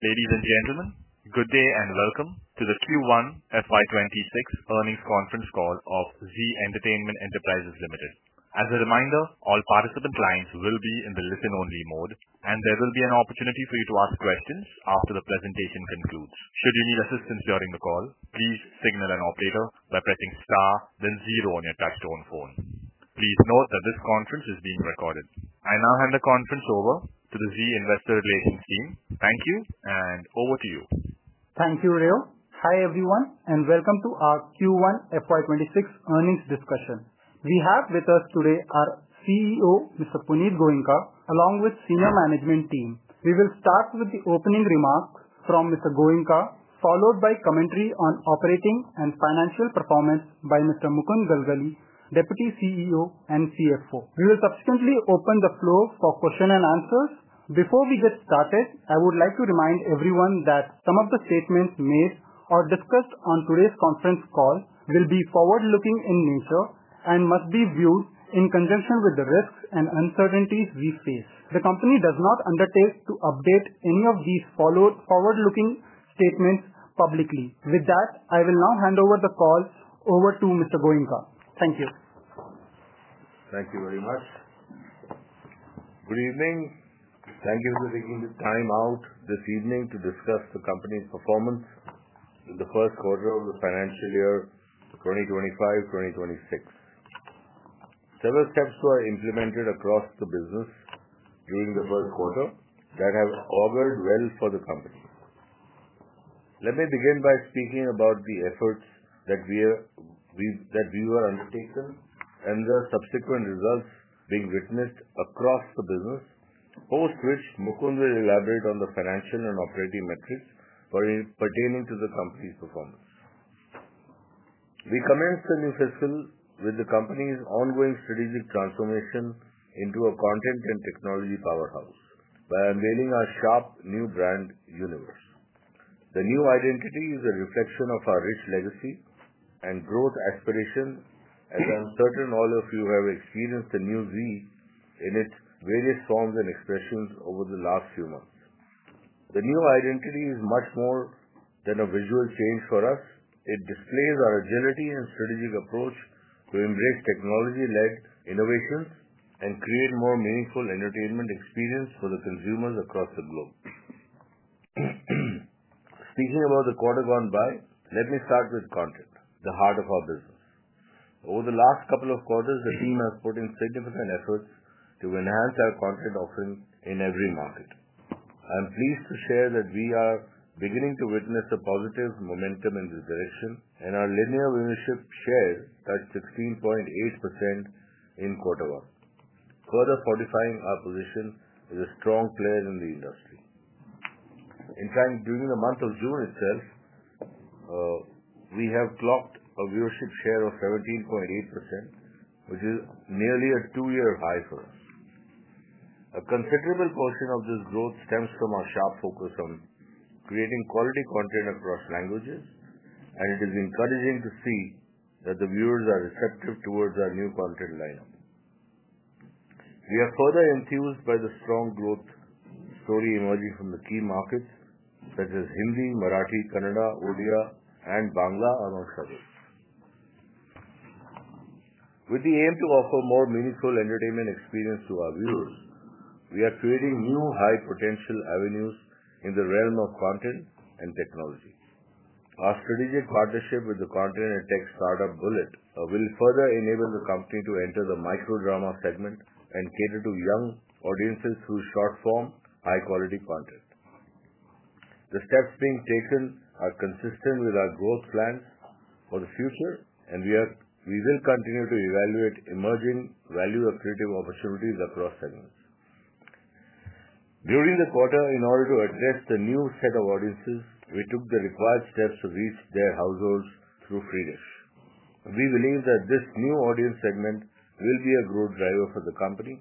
Ladies and gentlemen, good day and welcome to the Q1 FY 2026 earnings conference call of Zee Entertainment Enterprises Limited. As a reminder, all participant lines will be in the listen-only mode, and there will be an opportunity for you to ask questions after the presentation concludes. Should you need assistance during the call, please signal an operator by pressing star then zero on your touch-tone phone. Please note that this conference is being recorded. I now hand the conference over to the Zee Investor Relations team. Thank you, and over to you. Thank you, [Rayo]. Hi everyone, and welcome to our Q1 FY 2026 earnings discussion. We have with us today our CEO, Mr. Punit Goenka, along with the Senior Management Team. We will start with the opening remarks from Mr. Goenka, followed by commentary on operating and financial performance by Mr. Mukund Galgali, Deputy CEO and CFO. We will subsequently open the floor for questions and answers. Before we get started, I would like to remind everyone that some of the statements made or discussed on today's conference call will be forward-looking in nature and must be viewed in conjunction with the risks and uncertainties we face. The company does not undertake to update any of these forward-looking statements publicly. With that, I will now hand over the call to Mr. Goenka. Thank you. Thank you very much. Good evening. Thank you for taking the time out this evening to discuss the company's performance in the first quarter of the financial year, 2025-2026. Several steps were implemented across the business, being the first quarter, that have allowed well for the company. Let me begin by speaking about the efforts that we have undertaken and the subsequent results being witnessed across the business, post which Mukund Galgali will elaborate on the financial and operating metrics pertaining to the company's performance. We commenced the new fiscal year with the company's ongoing strategic transformation into a content and technology powerhouse by unveiling our sharp new brand universe. The new identity is a reflection of our rich legacy and growth aspirations, as I am certain all of you have experienced the new Zee in its various forms and expressions over the last few months. The new identity is much more than a visual change for us, it displays our agility and strategic approach to embrace technology-led innovations and create a more meaningful entertainment experience for the consumers across the globe. Speaking about the quarter gone by, let me start with content, the heart of our business. Over the last couple of quarters, the team has put in significant efforts to enhance our content offering in every market. I am pleased to share that we are beginning to witness a positive momentum in this direction, and our linear viewership share touched 16.8% in quarter one, further fortifying our position as a strong player in the industry. In fact, during the month of June itself, we have clocked a viewership share of 17.8%, which is nearly a two-year high for us. A considerable portion of this growth stems from our sharp focus on creating quality content across languages, and it is encouraging to see that the viewers are receptive towards our new content lineup. We are further enthused by the strong growth story emerging from the key markets, such as Hindi, Marathi, Kannada, Odia, and Bangla amongst others. With the aim to offer a more meaningful entertainment experience to our viewers, we are creating new high-potential avenues in the realm of content and technology. Our strategic partnership with the content and tech startup Bullet will further enable the company to enter the microdrama segment and cater to young audiences who sought for high-quality content. The steps being taken are consistent with our growth plans for the future, and we will continue to evaluate emerging value of creative opportunities across segments. During the quarter, in order to address the new set of audiences, we took the required steps to reach their households through fairness. We believe that this new audience segment will be a growth driver for the company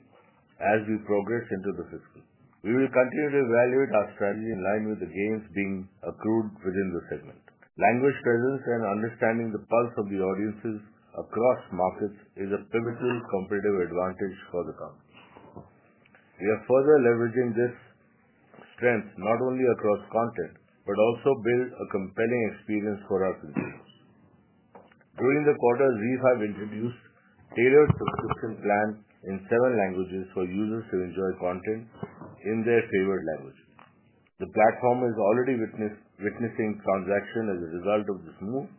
as we progress into the fiscal. We will continue to evaluate our strategy in line with the gains being accrued within the segment. Language presence and understanding the pulse of the audiences across markets is a pivotal competitive advantage for the company. We are further leveraging this strength not only across content, but also to build a compelling experience for our consumers. During the quarter, ZEE5 introduced a tailored subscription plan in seven languages for users to enjoy content in their favorite language. The platform is already witnessing transaction as a result of this move,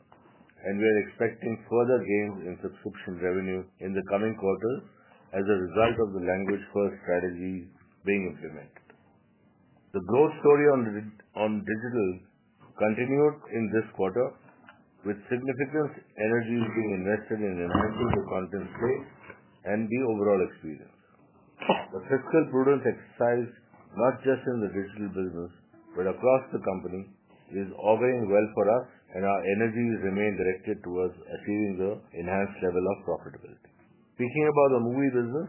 and we are expecting further gains in subscription revenue in the coming quarter as a result of the language-first strategy being implemented. The growth story on digital continued in this quarter, with significant energies being invested in enhancing the content flow and the overall experience. The fiscal prudence exercise, not just in the digital business but across the company, is all going well for us, and our energies remain directed towards achieving the enhanced level of profitability. Speaking about the movie business,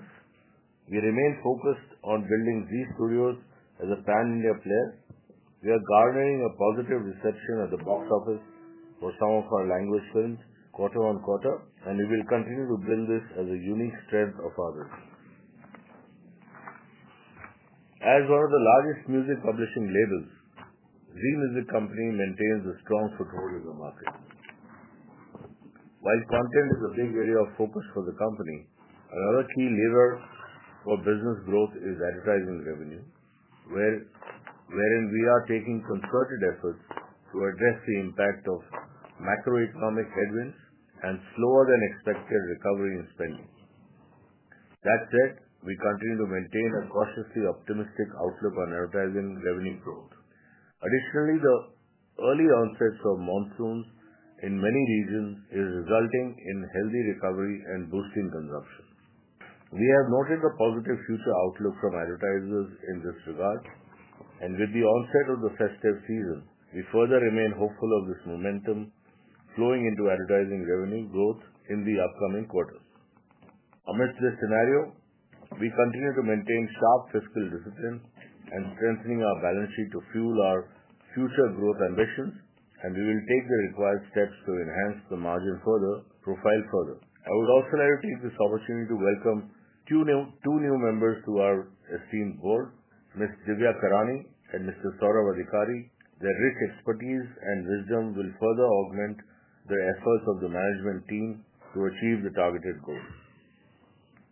we remain focused on building Zee Studios as a pan-India player. We are garnering a positive reception at the box office for some of our language films quarter on quarter, and we will continue to bring this as a unique strength of ours. As one of the largest music publishing labels, Zee Music Company maintains a strong footprint in the market. While content is a big area of focus for the company, another key lever for business growth is advertising revenue, wherein we are taking concerted efforts to address the impact of macro-economic headwinds and slower-than-expected recovery in spending. That said, we continue to maintain a cautiously optimistic outlook on advertising revenue growth. Additionally, the early onset of monsoon in many regions is resulting in healthy recovery and boosting consumption. We have noted a positive future outlook from advertisers in this regard, and with the onset of the festive season, we further remain hopeful of this momentum flowing into advertising revenue growth in the upcoming quarters. Amidst this scenario, we continue to maintain sharp fiscal discipline and strengthening our balance sheet to fuel our future growth ambitions, and we will take the required steps to enhance the margin further, profile further. I would also like to take this opportunity to welcome two new members to our esteemed board, Ms. Divya Karani and Mr. Saurav Adhikari. Their rich expertise and wisdom will further augment the efforts of the management team to achieve the targeted goal.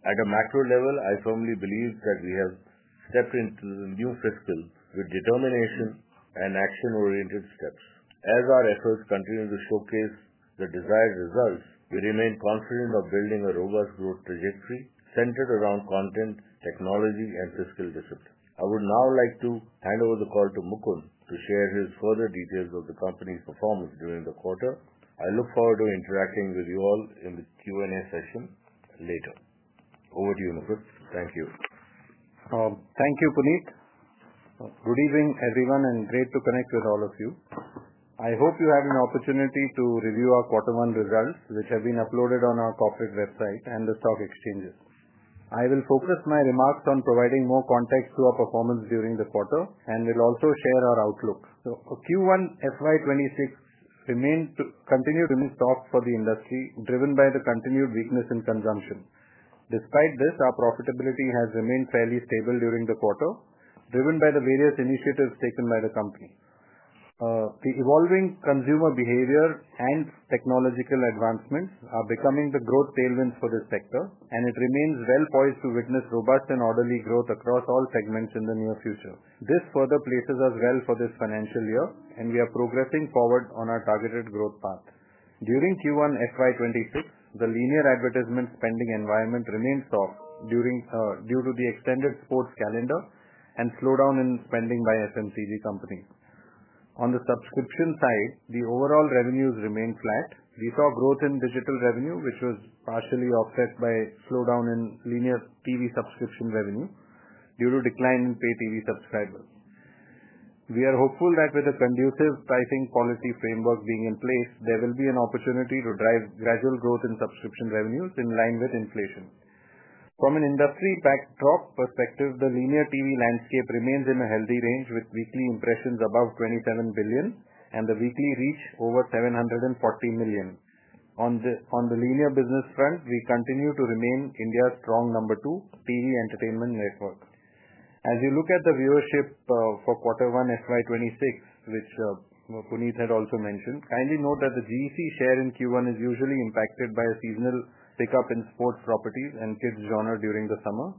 At a macro level, I firmly believe that we have stepped into the new fiscal with determination and action-oriented steps. As our efforts continue to showcase the desired results, we remain confident of building a robust growth trajectory centered around content, technology, and fiscal discipline. I would now like to hand over the call to Mukund to share his further details of the company's performance during the quarter. I look forward to interacting with you all in the Q&A session later. Over to you, Mukund. Thank you. Thank you, Punit. Good evening, everyone, and great to connect with all of you. I hope you had an opportunity to review our quarter one results, which have been uploaded on our corporate website and the stock exchanges. I will focus my remarks on providing more context to our performance during the quarter and will also share our outlook. Q1 FY 2026 remains to continue to be a stock for the industry, driven by the continued weakness in consumption. Despite this, our profitability has remained fairly stable during the quarter, driven by the various initiatives taken by the company. The evolving consumer behavior and technological advancements are becoming the growth tailwinds for this sector, and it remains well poised to witness robust and orderly growth across all segments in the near future. This further places us well for this financial year, and we are progressing forward on our targeted growth path. During Q1 FY 2026, the linear advertisement spending environment remained soft due to the extended sports calendar and slowdown in spending by FMCG Company. On the subscription side, the overall revenues remained flat. We saw growth in digital revenue, which was partially offset by a slowdown in linear TV subscription revenue due to a decline in pay-TV subscribers. We are hopeful that with a conducive pricing policy framework being in place, there will be an opportunity to drive gradual growth in subscription revenues in line with inflation. From an industry backdrop perspective, the linear TV landscape remains in a healthy range, with weekly impressions above 27 billion and a weekly reach over 714 million. On the linear business front, we continue to remain India's strong number two TV entertainment network. As you look at the viewership for quarter one FY 2026, which Punit had also mentioned, kindly note that the GEC share in Q1 is usually impacted by a seasonal pickup in sports properties and kids' genre during the summer,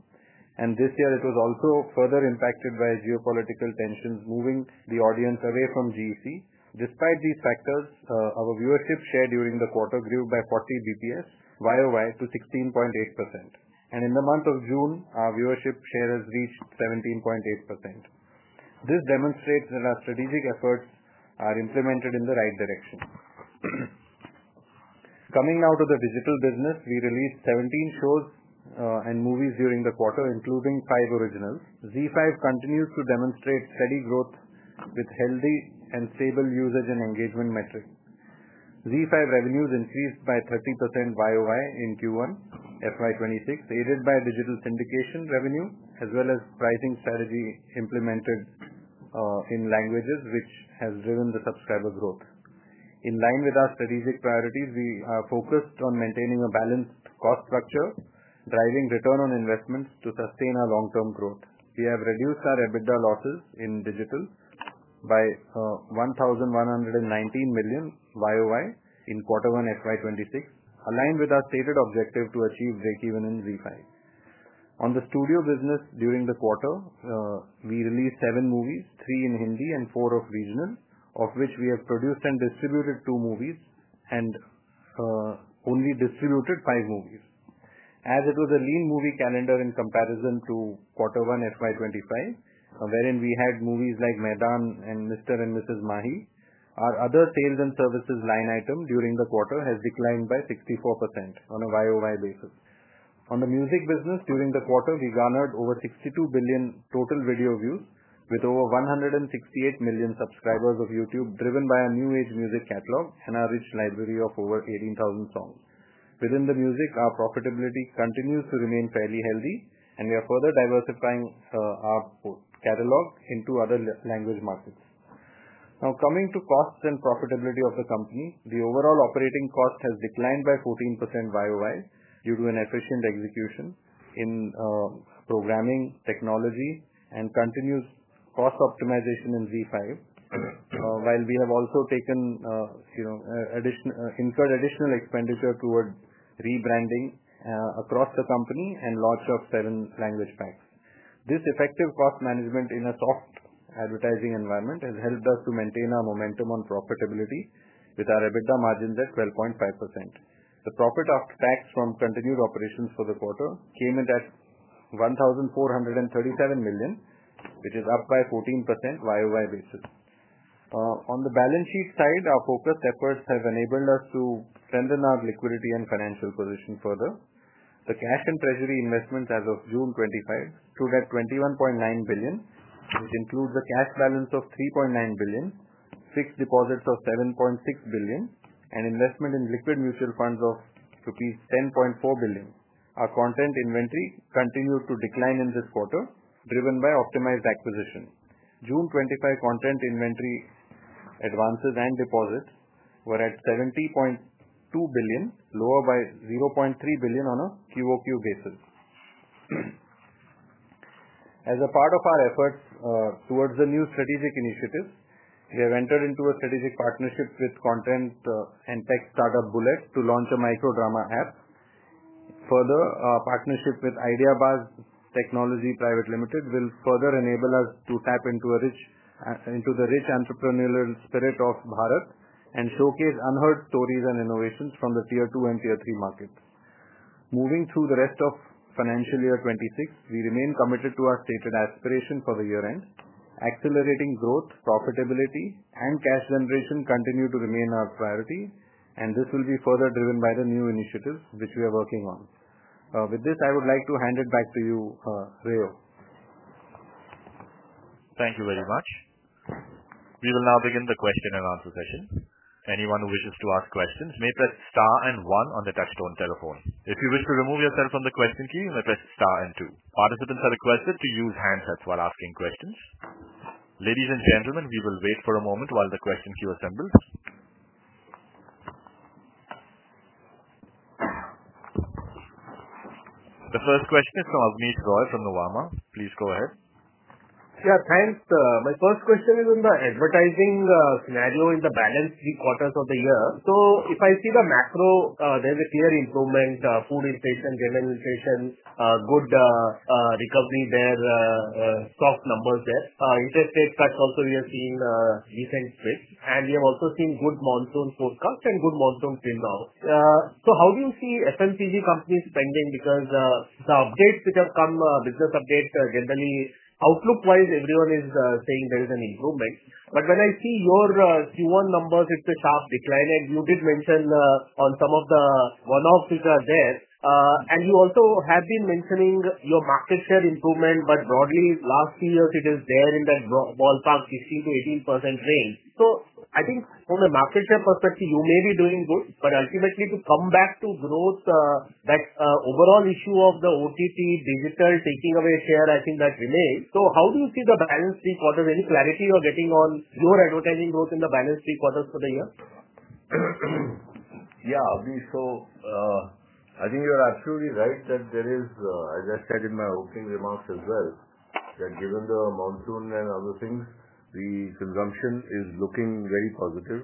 and this year it was also further impacted by geopolitical tensions moving the audience away from GEC. Despite these factors, our viewership share during the quarter grew by 40 bps, YoY to 16.8%, and in the month of June, our viewership share has reached 17.8%. This demonstrates that our strategic efforts are implemented in the right direction. Coming now to the digital business, we released 17 shows and movies during the quarter, including five originals. ZEE5 continues to demonstrate steady growth with healthy and stable usage and engagement metrics. ZEE5 revenues increased by 30% YoY in Q1 FY 2026, aided by digital syndication revenue as well as pricing strategy implemented in languages, which has driven the subscriber growth. In line with our strategic priorities, we are focused on maintaining a balanced cost structure, driving return on investments to sustain our long-term growth. We have reduced our EBITDA losses in digital by 1,119 million YoY in quarter one FY 2026, aligned with our stated objective to achieve breakeven in ZEE5. On the studio business, during the quarter, we released seven movies, three in Hindi and four of regional, of which we have produced and distributed two movies and only distributed five movies. As it was a lean movie calendar in comparison to quarter one FY 2025, wherein we had movies like "Medan" and "Mr. and Mrs. Mahi," our other sales and services line item during the quarter has declined by 64% on a YoY basis. On the music business, during the quarter, we garnered over 62 billion total video views, with over 168 million subscribers of YouTube, driven by our new age music catalog and our rich library of over 18,000 songs. Within the music, our profitability continues to remain fairly healthy, and we are further diversifying our catalog into other language markets. Now, coming to costs and profitability of the company, the overall operating cost has declined by 14% YoY due to an efficient execution in programming technology and continuous cost optimization in ZEE5, while we have also incurred additional expenditure toward rebranding across the company and launch of seven language packs. This effective cost management in a soft advertising environment has helped us to maintain our momentum on profitability with our EBITDA margins at 12.5%. The profit after tax from continued operations for the quarter came in at 1,437 million, which is up by 14% YoY basis. On the balance sheet side, our focused efforts have enabled us to strengthen our liquidity and financial position further. The cash and treasury investments as of June 2025 stood at 21.9 billion. It includes a cash balance of 3.9 billion, fixed deposits of 7.6 billion, and investment in liquid mutual funds of rupees 10.4 billion. Our content inventory continued to decline in this quarter, driven by optimized acquisition. June 2025 content inventory advances and deposits were at 70.2 billion, lower by 0.3 billion on a QoQ basis. As a part of our efforts towards the new strategic initiatives, we have entered into a strategic partnership with content and tech startup Bullet to launch a microdrama app. Further, our partnership with Ideabaaz Technology Pvt Ltd. will further enable us to tap into the rich entrepreneurial spirit of Bharat and showcase unheard stories and innovations from the tier 2 and 3 markets. Moving through the rest of financial year 2026, we remain committed to our stated aspiration for the year-end. Accelerating growth, profitability, and cash generation continue to remain our priority, and this will be further driven by the new initiatives which we are working on. With this, I would like to hand it back to you, [Rayo]. Thank you very much. We will now begin the question-and-answer session. Anyone who wishes to ask questions may press star one on the touch-tone telephone. If you wish to remove yourself from the question queue, you may press star two. Participants are requested to use handsets while asking questions. Ladies and gentlemen, we will wait for a moment while the question queue assembles. The first question is from Abneesh Roy from Nuvama. Please go ahead. Yeah, thanks. My first question is on the advertising scenario in the balance three quarters of the year. If I see the macro, there's a clear improvement. Food is taking generalizations, good recovery there, soft numbers there. Interest rate cuts also, we have seen a decent swing. We have also seen good monsoon forecasts and good monsoon printouts. How do you see FMCG companies' spending? The updates which have come, business updates generally, outlook-wise, everyone is saying there is an improvement. When I see your Q1 numbers, it's a sharp decline. You did mention on some of the one-off figures there. You also have been mentioning your market share improvement. Broadly, last few years, it is there in that ballpark, 16%-18% range. I think from a market share perspective, you may be doing good. Ultimately, to come back to growth, that overall issue of the OTP digital taking away share, I think that remains. How do you see the balance three quarters? Any clarity you're getting on your advertising growth in the balance three quarters for the year? Yeah, Abneesh. I think you're absolutely right that there is, as I said in my opening remarks as well, that given the monsoon and other things, the consumption is looking very positive.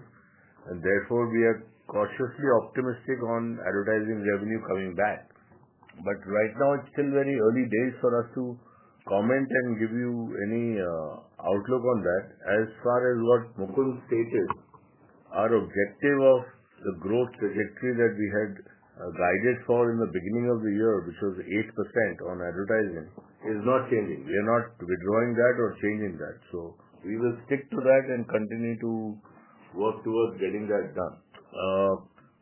Therefore, we are cautiously optimistic on advertising revenue coming back. Right now, it's still very early days for us to comment and give you any outlook on that. As far as what Mukund stated, our objective of the growth trajectory that we had guided for in the beginning of the year, which was 8% on advertising, is not changing. We are not withdrawing that or changing that. We will stick to that and continue to work towards getting that done.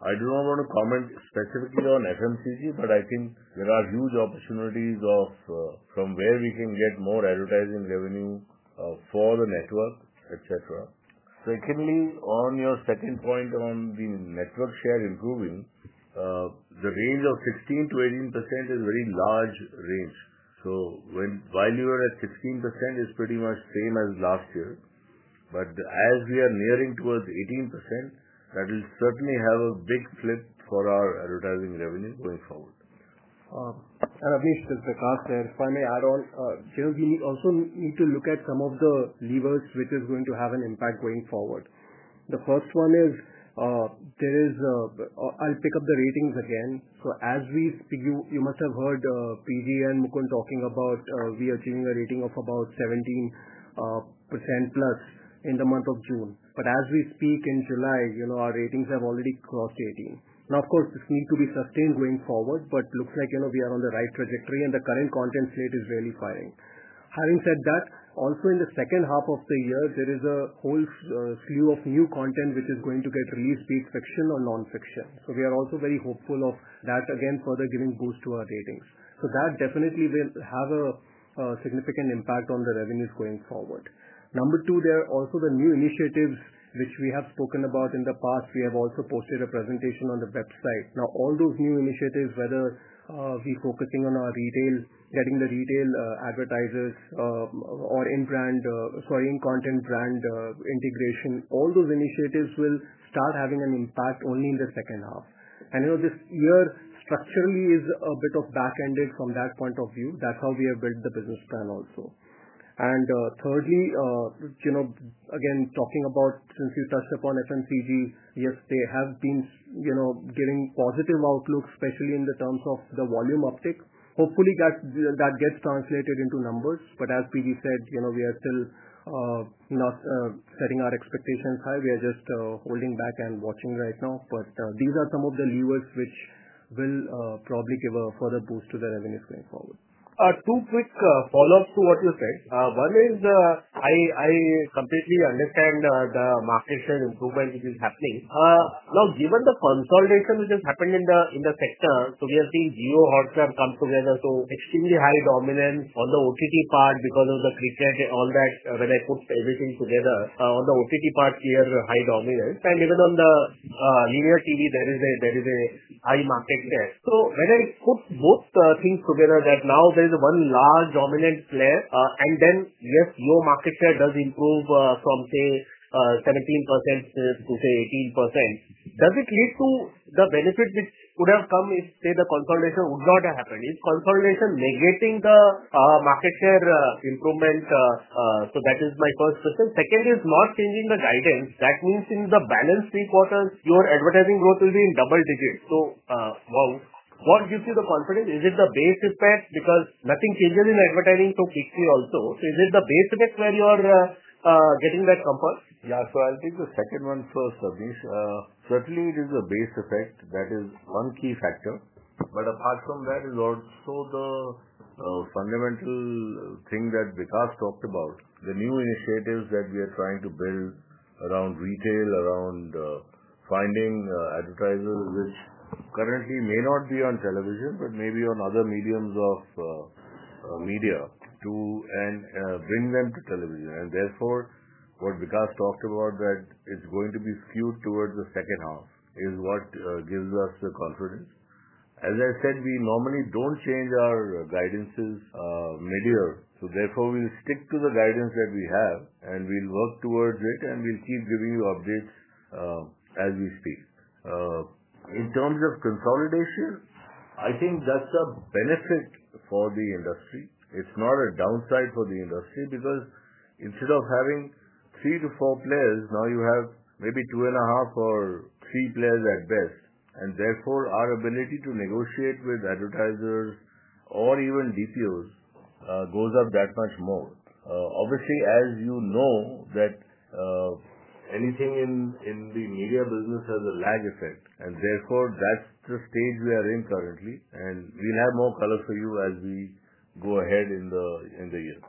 I do not want to comment specifically on FMCG, but I think there are huge opportunities from where we can get more advertising revenue for the network, et cetera. On your second point on the network share improving, the range of 16%-18% is a very large range. While you are at 16%, it's pretty much the same as last year. As we are nearing towards 18%, that will certainly have a big flip for our advertising revenue going forward. Abneesh, if I may add on, I think you also need to look at some of the levers which are going to have an impact going forward. The first one is, I'll pick up the ratings again. As we speak, you must have heard Punit and Mukund talking about we are achieving a rating of about 17%+ in the month of June. As we speak in July, our ratings have already crossed 18%. Of course, this needs to be sustained going forward, but it looks like we are on the right trajectory, and the current content state is really firing. Having said that, also in the second half of the year, there is a whole slew of new content which is going to get released, be it fiction or nonfiction. We are also very hopeful of that, again, further giving boost to our ratings. That definitely will have a significant impact on the revenues going forward. Number two, there are also the new initiatives which we have spoken about in the past. We have also posted a presentation on the website. All those new initiatives, whether we are focusing on our retail, getting the retail advertisers, or in brand, acquiring content brand integration, all those initiatives will start having an impact only in the second half. This year structurally is a bit of back-ended from that point of view. That's how we have built the business plan also. Thirdly, since you touched upon FMCG, yes, they have been giving positive outlooks, especially in terms of the volume uptick. Hopefully, that gets translated into numbers. As Punit said, we are still not setting our expectations high. We are just holding back and watching right now. These are some of the levers which will probably give a further boost to the revenues going forward. Two quick follow-ups to what you said. One is, I completely understand the market share improvement which is happening. Now, given the consolidation which has happened in the sector, we have seen Jio-Hotstar come together, so extremely high dominance on the OTT part because of the preset and all that. When I put everything together on the OTT part, clear high dominance. Even on the linear TV, there is a high market share. When I put both things together, now there is one large dominant player, and then, yes, your market share does improve from, say, 17% to, say, 18%. Does it lead to the benefit which could have come if, say, the consolidation would not have happened? Is consolidation negating the market share improvement? That is my first question. Second is not changing the guidance. That means in the balance three quarters, your advertising growth will be in double digits. What gives you the confidence? Is it the base effect? Because nothing changes in advertising to fix you also. Is it the base effect where you are getting that compass? Yeah, I'll take the second one first, Abneesh. Certainly, it is a base effect. That is one key factor. Apart from that, it's also the fundamental thing that Vikas talked about, the new initiatives that we are trying to build around retail, around finding advertisers which currently may not be on television, but maybe on other mediums of media to bring them to television. What Vikas talked about, that it's going to be skewed towards the second half, is what gives us the confidence. As I said, we normally don't change our guidances mid-year. Therefore, we'll stick to the guidance that we have, and we'll work towards it, and we'll keep giving you updates as we speak. In terms of consolidation, I think that's a benefit for the industry. It's not a downside for the industry because instead of having three to four players, now you have maybe two and a half or three players at best. Therefore, our ability to negotiate with advertisers or even DCOs goes up that much more. Obviously, as you know, anything in the media business has a lag effect. Therefore, that's the stage we are in currently. We'll have more color for you as we go ahead in the year.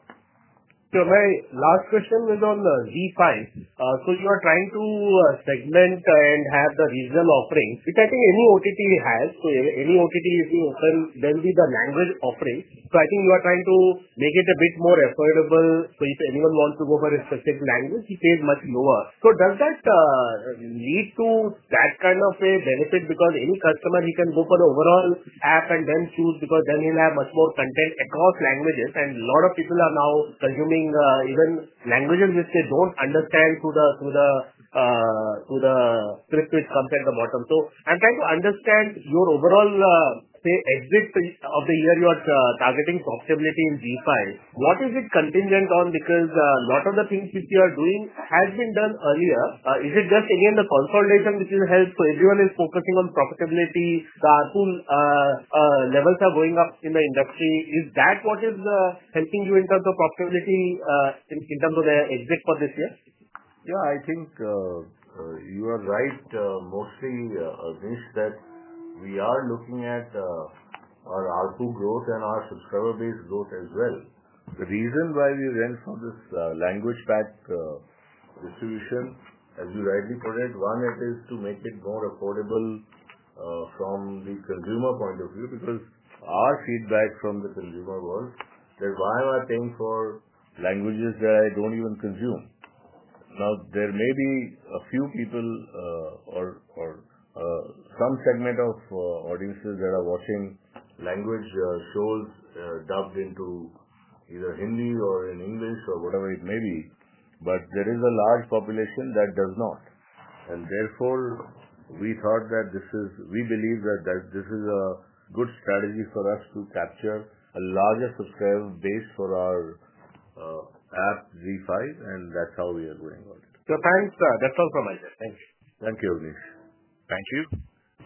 My last question is on ZEE5. You are trying to segment and have the regional offerings, which I think any OTT has. Any OTT is being open, then be the language offering. I think you are trying to make it a bit more affordable. If anyone wants to go for a specific language, you pay much lower. Does that lead to that kind of a benefit? Any customer can go for the overall app and then choose, because then he'll have much more content across languages. A lot of people are now consuming even languages which they don't understand through the click, which comes at the bottom. I'm trying to understand your overall exit of the year you are targeting profitability in ZEE5. What is it contingent on? A lot of the things which you are doing have been done earlier. Is it just, again, the consolidation which is held? Everyone is focusing on profitability. The levels are going up in the industry. Is that what is helping you in terms of profitability in terms of the exit for this year? Yeah, I think you are right, mostly, Abneesh, that we are looking at our ARPU growth and our subscriber base growth as well. The reason why we went for this language subscription pack distribution, as you rightly put it, one, it is to make it more affordable from the consumer point of view because our feedback from the consumer was that, why am I paying for languages that I don't even consume? There may be a few people or some segment of audiences that are watching language shows dubbed into either Hindi or in English or whatever it may be. There is a large population that does not. Therefore, we thought that this is, we believe that this is a good strategy for us to capture a larger subscriber base for our app, ZEE5, and that's how we are going about it. Thank you. That's all from my side. Thank you. Thank you, Abneesh. Thank you.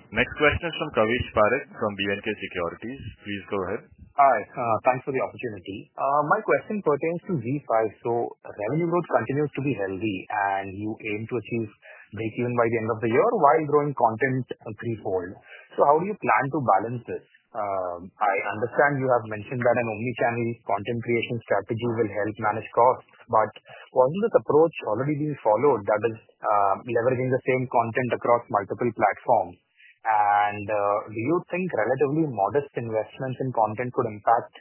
Next question is from Kavish Parekh from B&K Securities. Please go ahead. Hi. Thanks for the opportunity. My question pertains to ZEE5. Revenue growth continues to be healthy, and you aim to achieve breakeven by the end of the year while growing content threefold. How do you plan to balance this? I understand you have mentioned that an omnichannel content creation strategy will help manage costs. Wasn't this approach already being followed, that is, leveraging the same content across multiple platforms? Do you think relatively modest investments in content could impact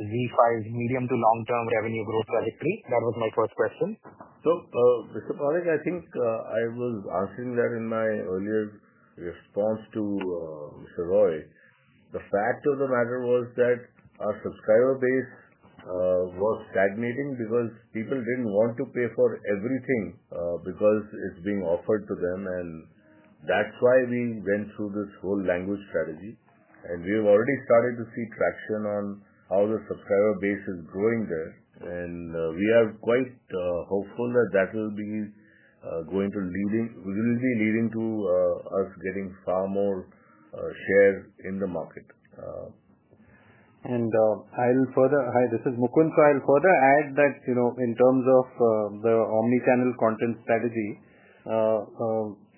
ZEE5's medium to long-term revenue growth as a team? That was my first question. Mr. Parekh, I think I was asking that in my earlier response to Mr. Roy. The fact of the matter was that our subscriber base was stagnating because people didn't want to pay for everything because it's being offered to them. That's why we went through this whole language strategy. We've already started to see traction on how the subscriber base is growing there, and we are quite hopeful that that will be leading to us getting far more shares in the market. I'll further add that, you know, in terms of the omnichannel content strategy,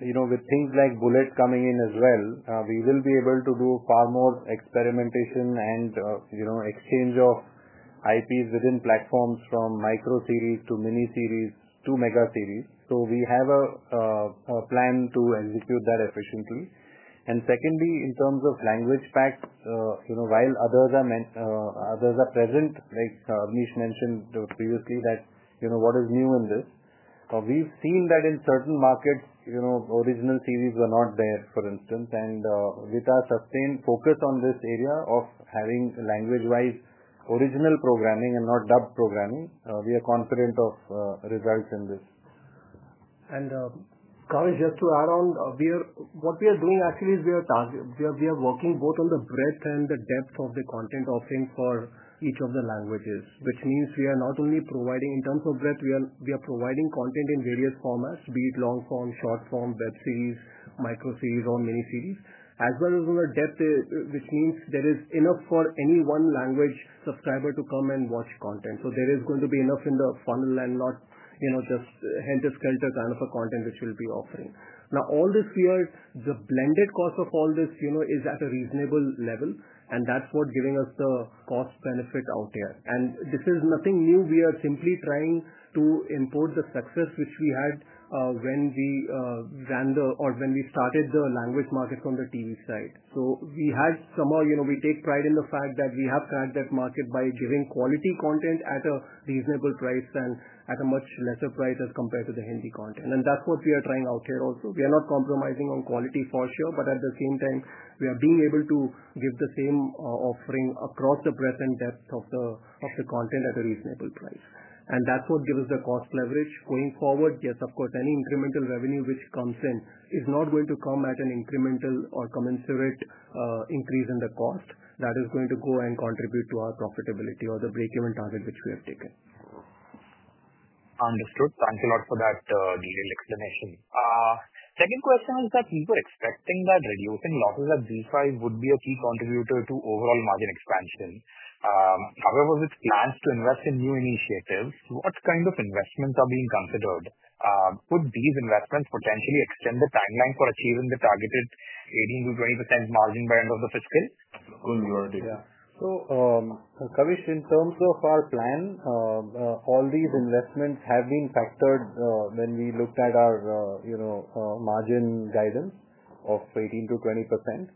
with things like Bullet coming in as well, we will be able to do far more experimentation and, you know, exchange of IPs within platforms from micro series to mini series to mega series. We have a plan to execute that efficiently. Secondly, in terms of language packs, while others are present, like Mish mentioned previously that, you know, what is new in this? We've seen that in certain markets, original series were not there, for instance. With our sustained focus on this area of having language-wise original programming and not dubbed programming, we are confident of results in this. Kavish, just to add on, what we are doing actually is we are working both on the breadth and the depth of the content offering for each of the languages, which means we are not only providing in terms of breadth, we are providing content in various formats, be it long form, short form, web series, micro series, or mini series, as well as on the depth, which means there is enough for any one language subscriber to come and watch content. There is going to be enough in the funnel and not just haphazard kind of content which we'll be offering. All this year, the blended cost of all this is at a reasonable level. That's what's giving us the cost-benefit out there. This is nothing new. We are simply trying to impose the success which we had when we ran or when we started the language market from the TV side. We take pride in the fact that we have cracked that market by giving quality content at a reasonable price and at a much lesser price as compared to the Hindi content. That's what we are trying out here also. We are not compromising on quality for sure, but at the same time, we are being able to give the same offering across the breadth and depth of the content at a reasonable price. That's what gives us the cost leverage going forward. Of course, any incremental revenue which comes in is not going to come at an incremental or commensurate increase in the cost. That is going to go and contribute to our profitability or the breakeven target which we have taken. Understood. Thanks a lot for that detailed explanation. Second question is that we were expecting that reducing losses at ZEE5 would be a key contributor to overall margin expansion. However, with plans to invest in new initiatives, what kind of investments are being considered? Would these investments potentially extend the timeline for achieving the targeted 18%-20% margin by the end of the fiscal year? Yeah. Kavish, in terms of our plan, all these investments have been captured when we looked at our, you know, margin guidance of 18%-20%.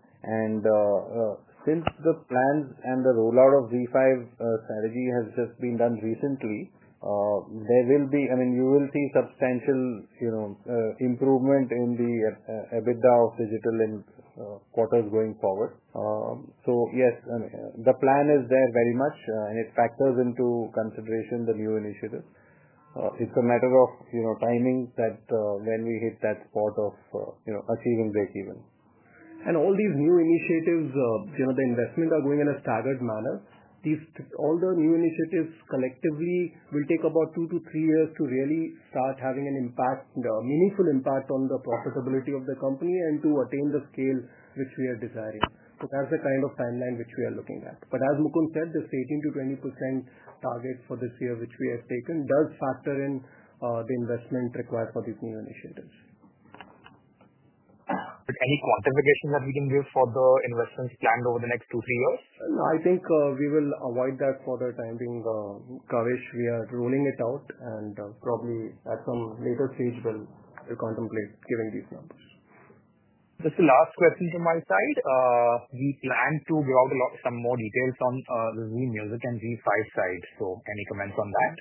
Since the plans and the rollout of ZEE5 strategy has just been done recently, you will see substantial, you know, improvement in the EBITDA of digital in quarters going forward. Yes, the plan is there very much, and it factors into consideration the new initiative. It's a matter of, you know, timing that when we hit that spot of, you know, achieving breakeven. All these new initiatives, the investments are going in a staggered manner. These, all the new initiatives collectively will take about 2-3 years to really start having an impact, a meaningful impact on the profitability of the company and to attain the scale which we are desiring. That is the kind of timeline which we are looking at. As Mukund said, this 18%-20% target for this year which we have taken does factor in the investment required for these new initiatives. Is there any quantification that we can give for the investments planned over the next two to three years? I think we will avoid that for the time being, Kavish. We are ruling it out. Probably at some later stage, we'll contemplate giving these numbers. Just the last question from my side. We plan to grow out some more details on the Zee Music Company and ZEE5 side. Any comments on that?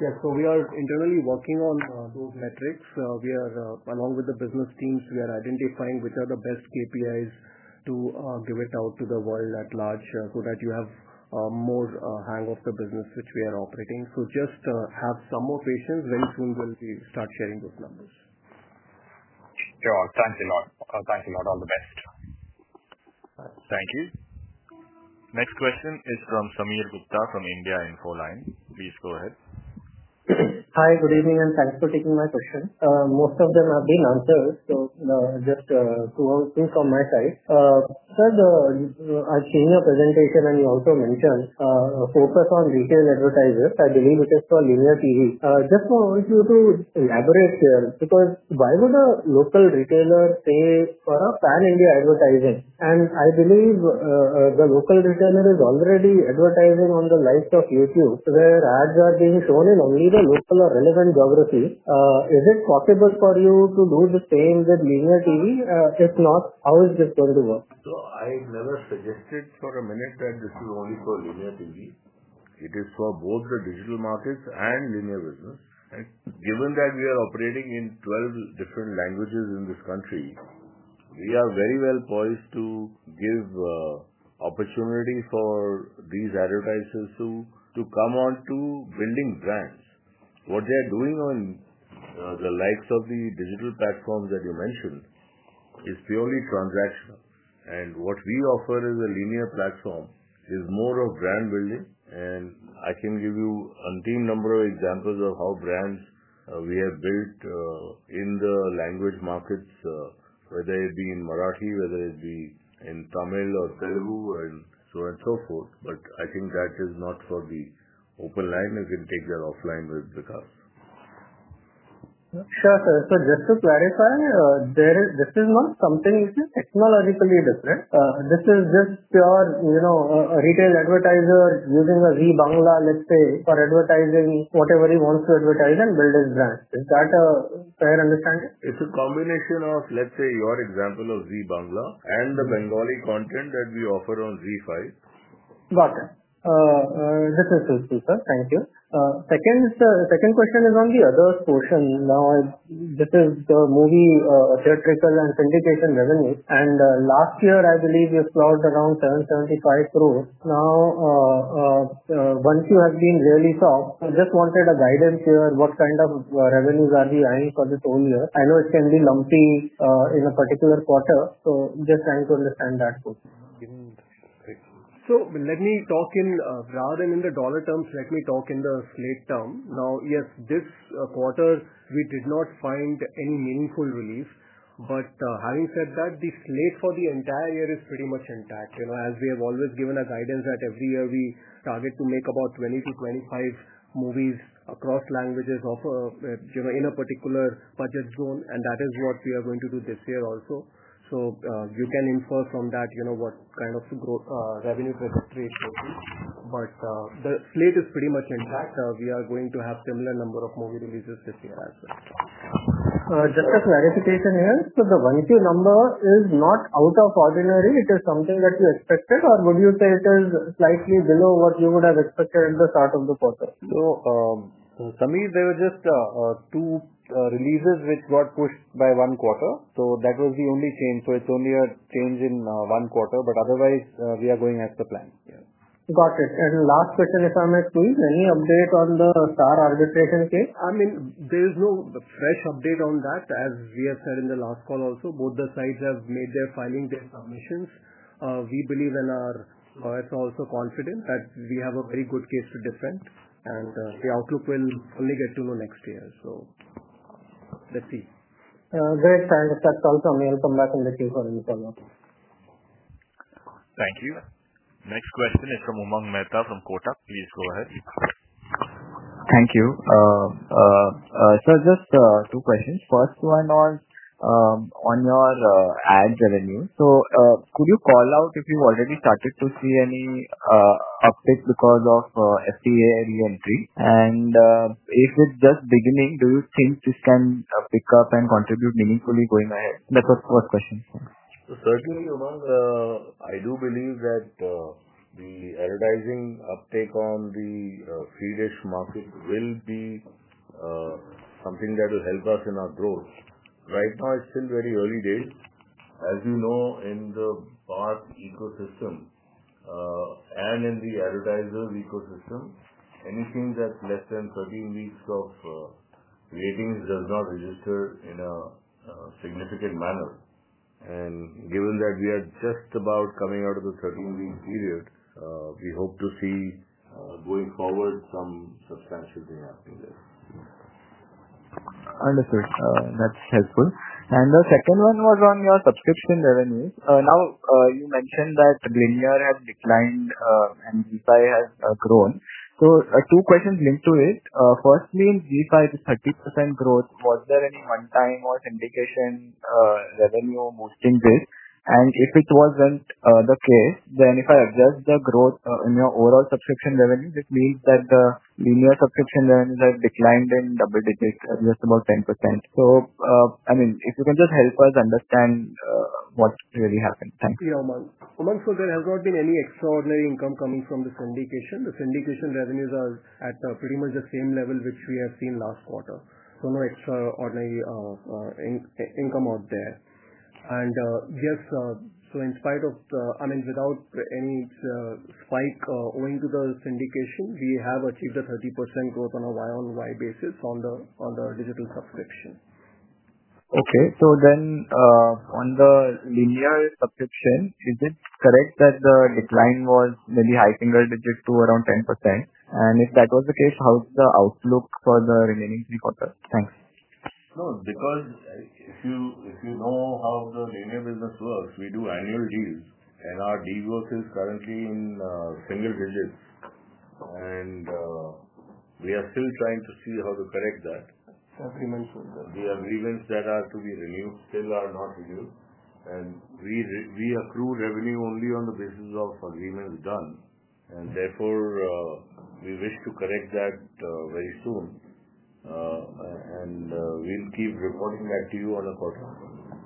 We are internally working on those metrics. We are, along with the business teams, identifying which are the best KPIs to give out to the world at large so that you have more hang of the business which we are operating. Just have some more patience; soon we'll start sharing those numbers. Thanks a lot. Thanks a lot. All the best. All right. Thank you. Next question is from Sameer Gupta from India Infoline. Please go ahead. Hi, good evening, and thanks for taking my question. Most of them have been answered. Just two things from my side. Sir, I've seen your presentation, and you also mentioned a focus on retail advertisers. I believe it is for linear TV. If you were to elaborate here, because why would a local retailer pay for a pan-India advertising? I believe the local retailer is already advertising on the live stock YouTube where ads are being shown in only the local or relevant geography. Is it possible for you to do the same with linear TV? If not, how is this going to work? I've never suggested for a minute that this is only for linear TV. It is for both the digital markets and linear business. Given that we are operating in 12 different languages in this country, we are very well poised to give opportunity for these advertisers to come on to building brands. What they are doing on the likes of the digital platforms that you mentioned is purely transactional. What we offer as a linear platform is more of brand building. I can give you an unseen number of examples of how brands we have built in the language markets, whether it be in Marathi, whether it be in Tamil or Telugu, and so on and so forth. I think that is not for the open line. You can take that offline with Vikas. Sure, sir. Just to clarify, this is not something which is technologically different. This is just pure, you know, a retail advertiser using a Zee Bangla, let's say, for advertising whatever he wants to advertise and build his brand. Is that a fair understanding? It's a combination of, let's say, your example of Zee Bangla and the Bengali content that we offer on ZEE5. Got it. This is so sweet, sir. Thank you. Second question is on the others' portion. Now, this is the movie theatrical and syndication revenue. Last year, I believe you floored around 775 crore. Now, once you have been really soft, I just wanted a guidance here. What kind of revenues are we earning for this whole year? I know it can be lumpy in a particular quarter. I'm just trying to understand that. Let me talk in rather than in the dollar terms, let me talk in the slate term. This quarter, we did not find any meaningful relief. Having said that, the slate for the entire year is pretty much intact. You know, as we have always given a guidance that every year we target to make about 20-25 movies across languages offered, you know, in a particular budget zone. That is what we are going to do this year also. You can infer from that, you know, what kind of revenue growth rates will be. The slate is pretty much intact. We are going to have a similar number of movie releases this year as well. Yeah. Just a clarification here. The one-two number is not out of ordinary. It is something that you expected, or would you say it is slightly below what you would have expected at the start of the quarter? There were just two releases which got pushed by one quarter. That was the only change. It's only a change in one quarter. Otherwise, we are going as the plan. Got it. Last question, if I may please, any update on the Star arbitration case? There is no fresh update on that. As we have said in the last call also, both the sides have made their filing depositions. We believe our lawyers are also confident that we have a very good case to defend. The outlook will only get to know next year. Let's see. Great. I'll let that talk. Thank you, I'll come back and let you go in the follow-up. Thank you. Next question is from Umang Mehta from Kotak. Please go ahead. Thank you. Just two questions. First one on your ad revenue. Could you call out if you already started to see any uptick because of FTA re-entry? If you're just beginning, do you think you can pick up and contribute meaningfully going ahead? That's a first question. Certainly, Umang, I do believe that the advertising uptake on the Free Dish market will be something that will help us in our growth. Right now, it's still very early days. As you know, in the BARC ecosystem and in the advertisers' ecosystem, anything that's less than 13 weeks of creating does not register in a significant manner. Given that we are just about coming out of the 13-week period, we hope to see going forward some substantial gain after this. Understood. That's helpful. The second one was on your subscription revenue. You mentioned that linear has declined and ZEE5 has grown. Two questions linked to it. Firstly, in ZEE5, the 30% growth, was there any one-time authentication revenue boosting this? If it wasn't the case, then if I adjust the growth in your overall subscription revenue, that means that the linear subscription revenues have declined in double digits, just about 10%. If you can just help us understand what's really happening. Thank you, Umang. There has not been any extraordinary income coming from the syndication. The syndication revenues are at pretty much the same level which we have seen last quarter. No extraordinary income out there. In spite of the, I mean, without any spike owing to the syndication, we have achieved a 30% growth on a YoY basis on the digital subscription. Okay. On the linear TV subscriptions, is it correct that the decline was maybe high single digits to around 10%? If that was the case, how's the outlook for the remaining three quarters? Thanks. No, because if you know how the linear TV business works, we do annual deals, and our deal work is currently in single digits. We are still trying to see how to correct that. The agreements that are to be renewed still are not renewed. We accrue revenue only on the basis of agreements done. Therefore, we wish to correct that very soon, and we'll keep reporting that to you on a quarter after the fact.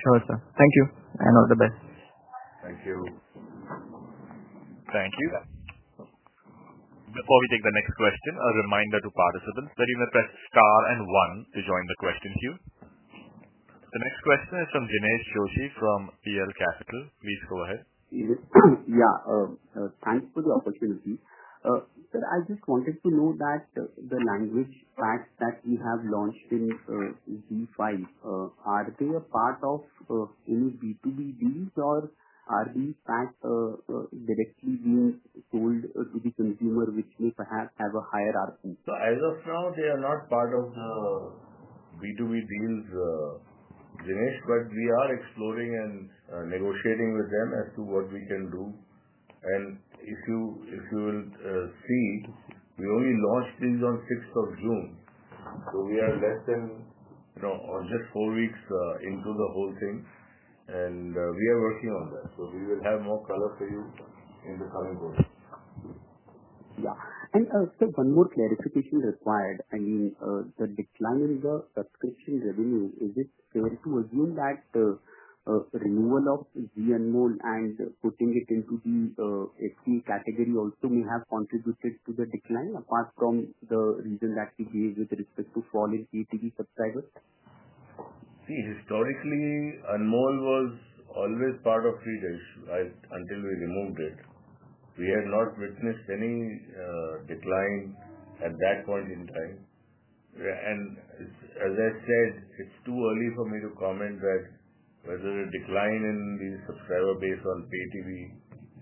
Sure, sir. Thank you. All the best. Thank you. Thank you. Before we take the next question, a reminder to participants putting their press star and one to join the question queue. The next question is from Jinesh Joshi from PL Capital. Please go ahead. Yeah, thanks for the opportunity. I just wanted to know that the language subscription packs that you have launched in ZEE5, are they a part of any B2B deals, or are these packs directly being sold to the consumer, which may perhaps have a higher ARPU? As of now, they are not part of our B2B deals, Jinesh. We are exploring and negotiating with them as to what we can do. If you will see, we only launched these on June 6th. We are less than, you know, just four weeks into the whole thing. We are working on that. We will have more color for you in the coming quarters. Yeah, can I just say one more clarification required? I mean, the decline in the subscription revenue, is it fair to assume that the renewal of Zee Anmol and putting it into the FTA category also may have contributed to the decline, apart from the reason that we gave with respect to falling pay TV subscribers? See, historically, N mode was always part of Swedish until we removed it. We had not witnessed any decline at that point in time. As I said, it's too early for me to comment that whether the decline in the subscriber base on pay TV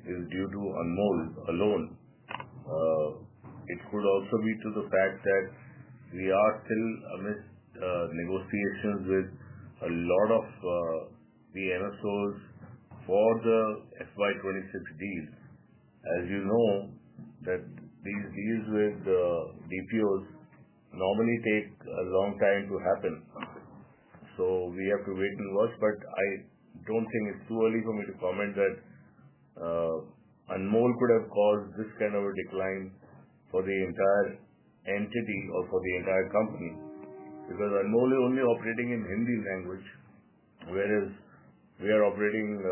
is due to Anmol alone. It could also be due to the fact that we are still amidst negotiations with a lot of the MSOs for the FY 2026 deals. As you know, these deals with the DPOs normally take a long time to happen. We have to wait and watch. I don't think it's too early for me to comment that Anmol could have caused this kind of a decline for the entire entity or for the entire company because Anmol is only operating in the Hindi language, whereas we are operating,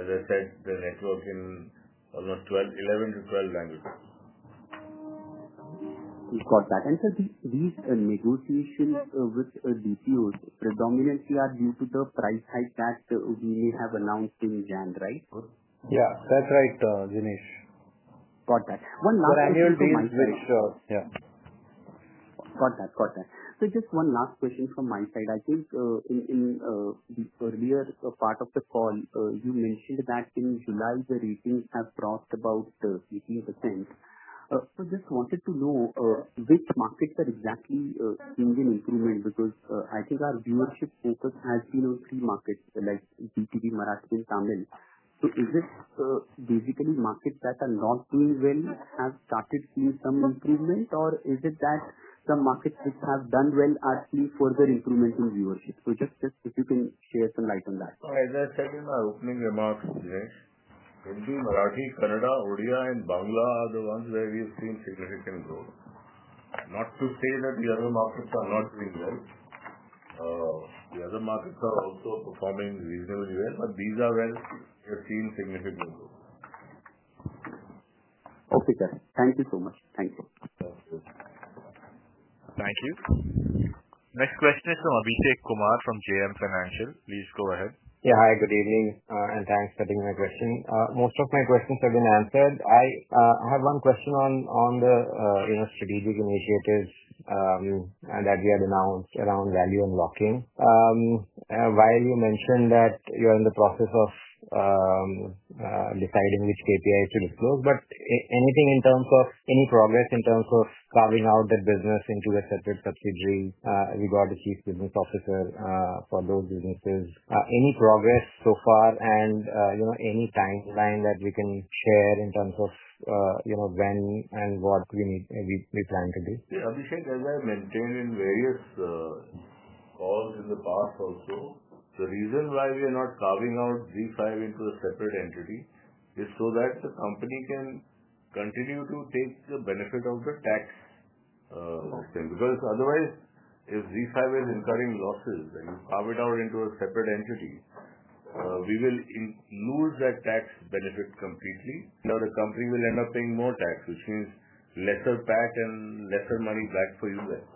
as I said, the network in 11-12 languages. These negotiations with DPOs predominantly are due to the price hike that we have announced in January, right? Yeah, that's right, Jinesh. Got that. One last question. For annual deals, yeah. Got that. Just one last question from my side. I think in the earlier part of the call, you mentioned that in July, the ratings have dropped about 15%. I just wanted to know which markets are exactly seeing an improvement because I think our viewership focus has, you know, three markets, like Zee TV, Marathi, and Tamil. Is it basically markets that are not doing well have started seeing some improvement, or is it that some markets which have done well are seeing further improvements in viewership? If you can shed some light on that. As I said in my opening remarks, Jinesh, Hindi, Marathi, Kannada, Odia, and Bangla are the ones where we have seen significant growth. Not to say that the other markets are not doing well. The other markets are also performing reasonably well. These are where we have seen significant growth. Okay, guys. Thank you so much. Thank you. Thank you. Next question is from Abhishek Kumar from JM Financial. Please go ahead. Yeah, hi. Good evening, and thanks for taking my question. Most of my questions have been answered. I have one question on the strategic initiatives that we had announced around value-unlocking opportunities. While you mentioned that you're in the process of deciding which KPIs to disclose, is there anything in terms of any progress in terms of carving out that business into a separate subsidiary? We got the Chief Business Officer for those businesses. Any progress so far? Is there any timeline that we can share in terms of when and what we need it to be? Yeah, Abhishek, as I have mentioned in various calls in the past also, the reason why we are not carving out ZEE5 into a separate entity is so that the company can continue to take the benefit of the tax thing. Because otherwise, if ZEE5 is incurring losses and you carve it out into a separate entity, we will lose that tax benefit completely. Now the company will end up paying more tax, which means lesser PAT and lesser money back for you there.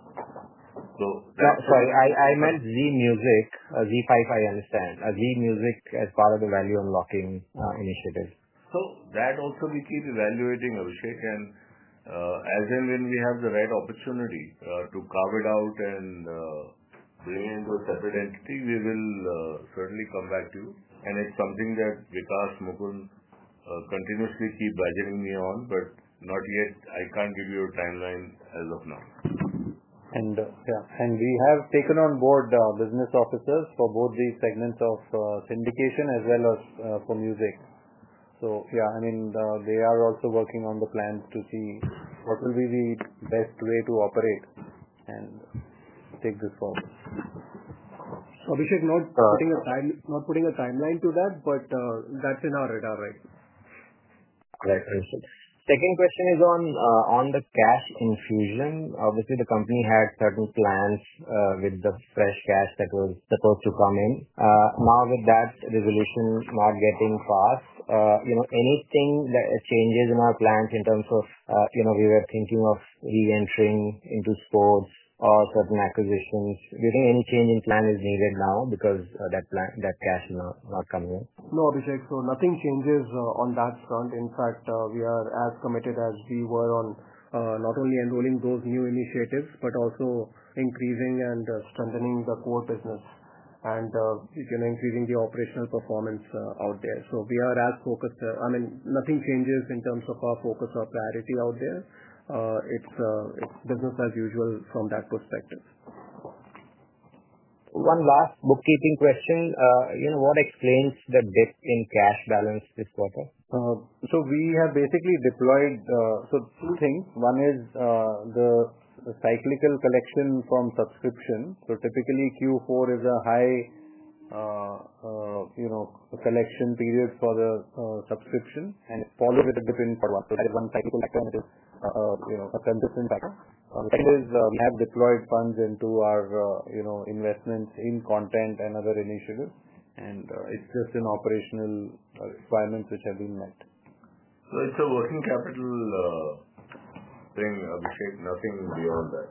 I meant Zee Music, ZEE5, I understand, Zee Music as part of the value-unlocking initiative. We keep evaluating that, Abhishek. As and when we have the right opportunity to carve it out and bring in the corporate entity, we will certainly come back to you. It is something that Vikas, Mukund continuously keep bugging me on. Not yet, I can't give you a timeline as of now. We have taken on board the Business Officers for both the segments of syndication as well as for music. They are also working on the plans to see what will be the best way to operate and take this forward. Abhishek, not putting a timeline to that, but that's on our radar, right now. Great. The second question is on the cash infusion. Obviously, the company had certain plans with the fresh cash that was supposed to come in. Now, with that resolution not getting passed, any change in our plans in terms of, you know, we were thinking of re-entering into stores or certain acquisitions, do you think any change in plan is needed now because that cash is not coming in? No, Abhishek. Nothing changes on that front. In fact, we are as committed as we were on not only enrolling those new initiatives, but also increasing and strengthening the core business and increasing the operational performance out there. We are as focused as—nothing changes in terms of our focus or priority out there. It's business as usual from that perspective. One last bookkeeping question. You know, what explains the dip in cash balance this quarter? We have basically deployed two things. One is the cyclical collection from subscription. Typically, Q4 is a high, you know, collection period for the subscription. It's followed with a dip in product. Is it one cycle from the, you know, a consumer pack? There is the lab deployed funds into our investments in content and other initiatives. It's just in operational requirements which have been locked. It's a working capital thing, Abhishek. Nothing beyond that.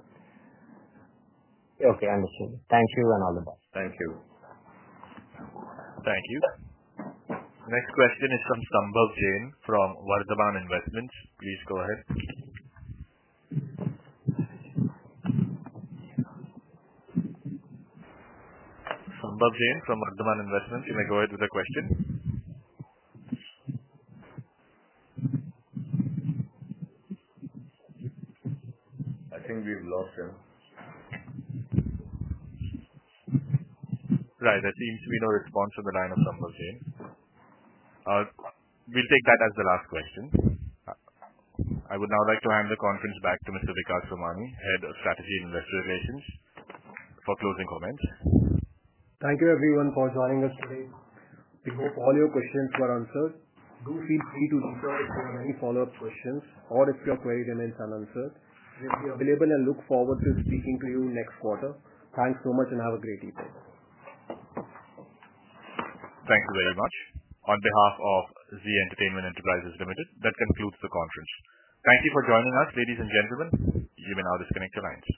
Okay, I understand. Thank you and all the best. Thank you. Thank you. Next question is from Sambhav Jain from Vardhaman Investments. Please go ahead. Sambhav Jain from Vardhaman Investments, you may go ahead with a question. I think we've lost him. Right. There seems to be no response from the line of Sambhav Jain. We'll take that as the last question. I would now like to hand the conference back to Mr. Vikas Somani, Head of Strategy and Investor Relations, for closing comments. Thank you, everyone, for joining us today. We hope all your questions were answered. Do feel free to reach out with any follow-up questions, or if your query remains unanswered, we'll be available and look forward to speaking to you next quarter. Thanks so much, and have a great evening. Thank you very much. On behalf of Zee Entertainment Enterprises Limited, that concludes the conference. Thank you for joining us, ladies and gentlemen. You may now disconnect your lines.